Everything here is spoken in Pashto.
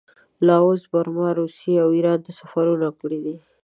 لاوس، برما، روسیې او ایران ته سفرونه کړي دي.